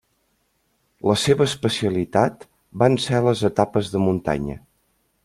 La seva especialitat van ser les etapes de muntanya.